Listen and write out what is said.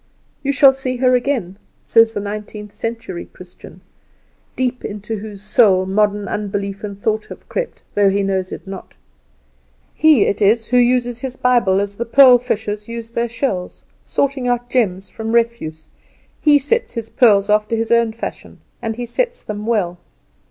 "You shall see her again," said the nineteenth century Christian, deep into whose soul modern unbelief and thought have crept, though he knows it not. He it is who uses his Bible as the pearl fishers use their shells, sorting out gems from refuse; he sets his pearls after his own fashion, and he sets them well.